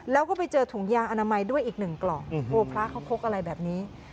แล้วก็ไปเจอถุงยางอนามัยด้วยอีกหนึ่งกล่องกลัวพระเขาพกอะไรแบบนี้